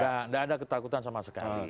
tidak ada ketakutan sama sekali